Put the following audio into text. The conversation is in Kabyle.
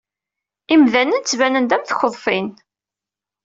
Imdanen ttbanen-d am tkeḍfin.